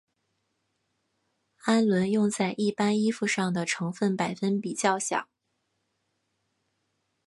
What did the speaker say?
氨纶用在一般衣服上的成分百分比较小。